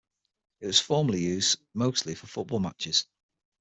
It was formerly used mostly for football matches.